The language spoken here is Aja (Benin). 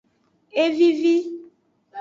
E vivi.